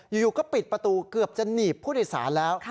อยู่ก็ปิดประตูเกือบจะหนีบผู้โดยสารแล้ว